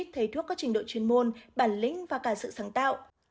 thầy thuốc có trình độ chuyên môn bản lĩnh và cả sự sáng tạo